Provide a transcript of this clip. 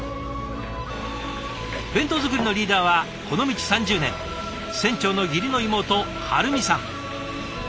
弁当作りのリーダーはこの道３０年船長の義理の妹晴美さん。